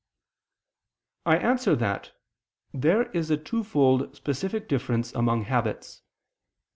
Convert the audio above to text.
I answer that, There is a twofold specific difference among habits.